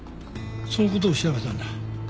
そのことを調べたんだ。